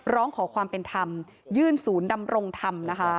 ร้องขอความเป็นธรรมยื่นศูนย์ดำรงธรรมนะคะ